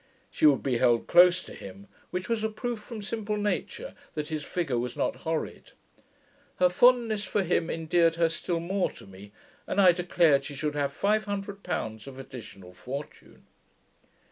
She would be held close to him; which was a proof, from simple nature, that his figure was not horrid. Her fondness for him endeared her still more to me, and I declared she should have five hundred pounds of additional fortune.